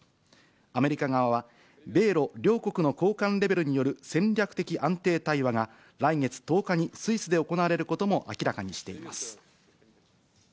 アメリカ側は、米ロ両国の高官レベルによる戦略的安定対話が来月１０日にスイスで行われることも明らかにしています。